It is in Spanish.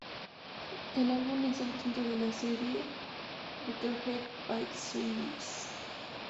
El álbum es el quinto de la serie "Buckethead Pikes Series".